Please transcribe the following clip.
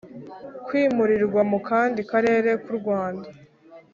kwimurirwa mu kandi karere ku Rwanda